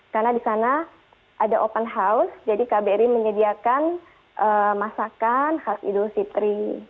karena di sana ada open house jadi kbri menyediakan masakan khas idul fitri